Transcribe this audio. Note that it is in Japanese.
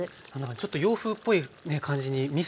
ちょっと洋風っぽいね感じにみそなんですね。